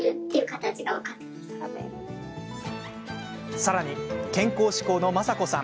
さらに健康志向のまさこさん